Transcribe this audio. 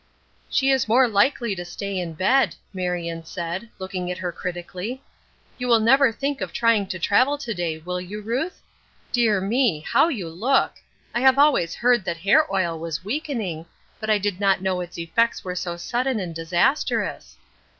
"She is more likely to stay in bed," Marion said, looking at her critically. "You will never think of trying to travel to day, will you, Ruth? Dear me! how you look! I have always heard that hair oil was weakening, but I did not know its effects were so sudden and disastrous!"